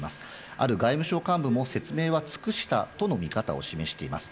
ある外務省幹部も、説明は尽くしたとの見方を示しています。